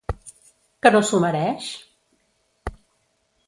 Que no s’ho mereix?